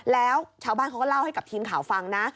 แล้วชาวบ้านเขาก็เล่าให้กับทีมข่าวฟังนะ